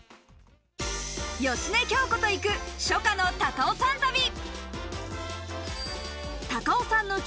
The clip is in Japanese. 芳根京子と行く初夏の高尾山旅。